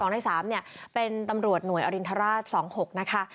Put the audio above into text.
ใน๓เป็นตำรวจหน่วยอรินทราช๒๖นะคะ